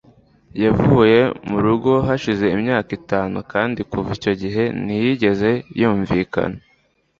Yavuye mu rugo hashize imyaka itanu, kandi kuva icyo gihe ntiyigeze yumvikana